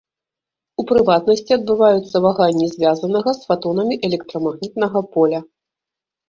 У прыватнасці, адбываюцца ваганні звязанага з фатонамі электрамагнітнага поля.